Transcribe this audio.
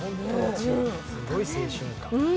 すごい青春感。